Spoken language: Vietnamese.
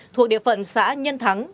thuộc địa phận xã nhân thắng